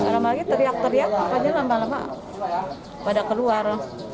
lama lagi teriak teriak lama lama pada keluar